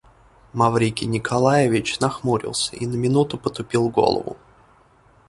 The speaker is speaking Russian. Маврикий Николаевич нахмурился и на минуту потупил голову.